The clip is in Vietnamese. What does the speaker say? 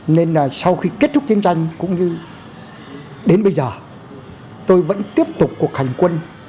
nên là sau khi kết thúc chiến tranh cũng như đến bây giờ tôi vẫn tiếp tục cuộc hành quân